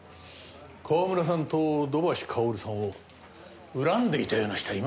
川村さんと土橋かおるさんを恨んでいたような人はいませんか？